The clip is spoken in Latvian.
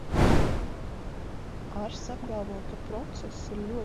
Ārsts apgalvo, ka process ir ļoti svaigs, un, laikā apārstēti, plankumi aprētosies.